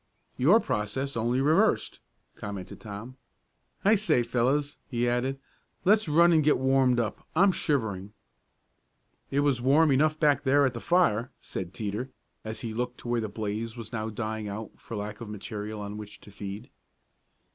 "Your process, only reversed," commented Tom. "I say fellows," he added, "let's run and get warmed up. I'm shivering." "It was warm enough back there at the fire," said Teeter, as he looked to where the blaze was now dying out for lack of material on which to feed.